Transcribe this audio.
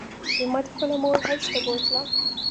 احمد خپله مور حج ته بوتله.